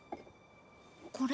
これ？